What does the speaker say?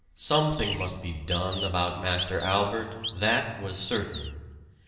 Something must be done about Master Albert, that was certain.